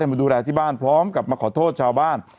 มาดูแลที่บ้านพร้อมกับมาขอโทษชาวบ้าน